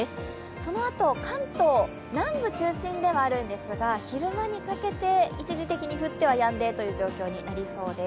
そのあと、関東南部中心ではあるんですが、昼間にかけて一時的に降ってはやんでという状況になりそうです。